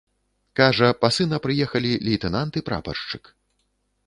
Кажа, па сына прыехалі лейтэнант і прапаршчык.